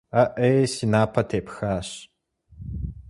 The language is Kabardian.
АӀей, си напэр тепхащ!